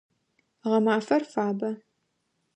Гъэмафэр фабэ.